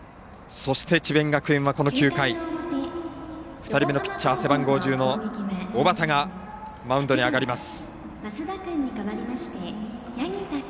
そして、智弁学園は９回２人目のピッチャー背番号１０の小畠がマウンドに上がります。